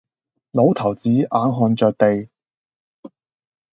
老頭子眼看着地，